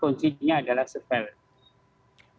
kuncinya adalah subvarian